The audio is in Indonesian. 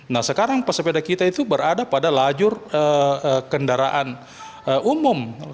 nah sekarang pesepeda kita itu berada pada lajur kendaraan umum